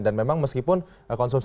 dan memang meskipun konsumsi rumah tangga